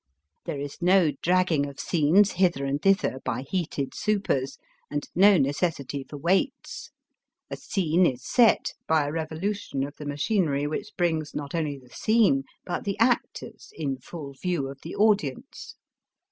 Th6re is no dragging of scenes hither and thither by heated supers, and no necessity for waits* A scene is '* set " by a revolution of the machinery which brings not only the scene, but the actors, in full view of the audience.